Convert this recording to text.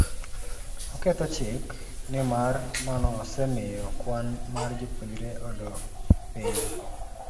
oketho chik, nimar mano osemiyo kwan mar jopuonjre odok piny,